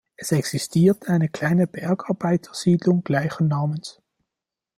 Es existierte eine kleine Bergarbeitersiedlung gleichen Namens.